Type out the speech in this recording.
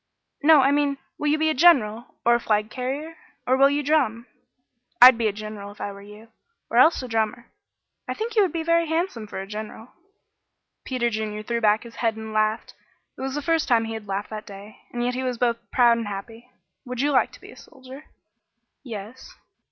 "No, I mean, will you be a general or a flag carrier or will you drum? I'd be a general if I were you or else a drummer. I think you would be very handsome for a general." Peter Junior threw back his head and laughed. It was the first time he had laughed that day, and yet he was both proud and happy. "Would you like to be a soldier?" "Yes."